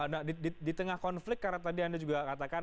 nah di tengah konflik karena tadi anda juga katakan